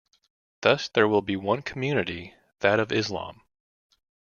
Thus, there will be one community, that of Islam.